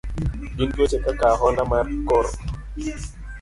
Gin tuoche kaka ahonda mar kor.